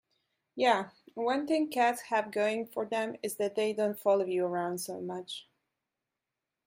Yeah, one thing cats have going for them is that they don't follow you around so much.